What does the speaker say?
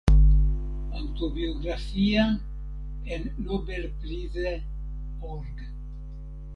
Autobiografía en nobelprize.org